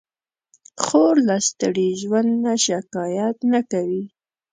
خور له ستړي ژوند نه شکایت نه کوي.